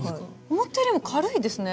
思ったよりも軽いですね。